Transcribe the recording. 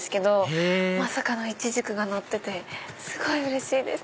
へぇまさかのイチジクがのっててすごいうれしいです！